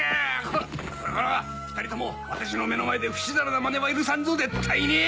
こらこら２人とも私の目の前でふしだらなまねは許さんぞ絶対に！